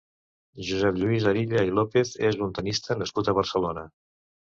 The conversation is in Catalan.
Josep Lluís Arilla i López és un tennista nascut a Barcelona.